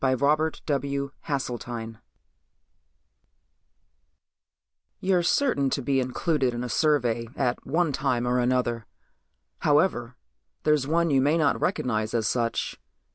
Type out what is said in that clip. pgdp.net You're certain to be included in a survey at one time or another. However, there's one you may not recognize as such.